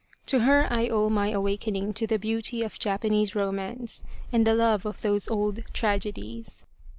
To her I owe my awaken ing to the beauty of Japanese romance and the love of those old tragedies.